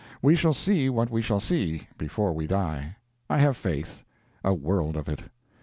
We shall see what we shall see, before we die. I have faith—a world of it.